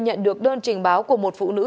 nhận được đơn trình báo của một phụ nữ